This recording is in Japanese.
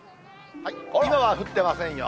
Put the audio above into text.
今は降ってませんよ。